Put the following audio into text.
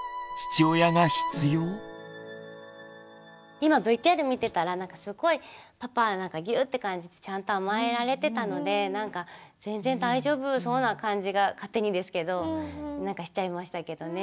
今ＶＴＲ見てたらなんかすごいパパギュッて感じでちゃんと甘えられてたのでなんか全然大丈夫そうな感じが勝手にですけどなんかしちゃいましたけどね。